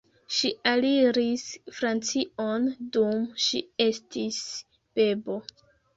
Ŝi aliris Francion dum ŝi estis bebo.